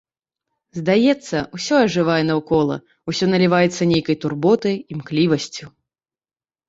Здаецца, усё ажывае наўкола, усё наліваецца нейкай турботай, імклівасцю.